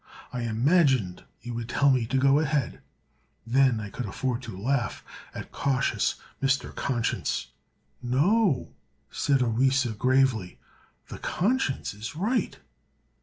I imagined you would tell me to go ahead. Then I could afford to laugh at cautious Mr. Conscience." "No," said Orissa, gravely, "the conscience is right.